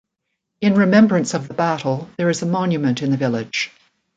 In remembrance of the battle there is a monument in the village.